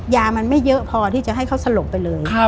ยามันไม่เยอะพอที่จะให้เขาสลบไปเลย